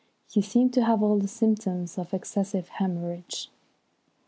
"He seemed to have all the symptoms of excessive hæmorrhage."